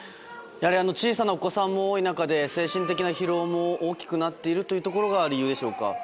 やはり小さなお子さんも多い中で、精神的な疲労も大きくなっているというところが理由でしょうか。